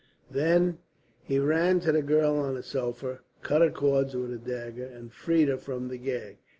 Then he ran to the girl on the sofa, cut her cords with a dagger, and freed her from the gag.